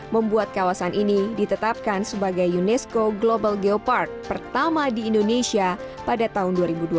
membuat kawasan ini ditetapkan sebagai unesco global geopark pertama di indonesia pada tahun dua ribu dua puluh